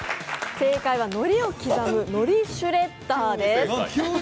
正解は、のりを刻むのりシュレッダーです。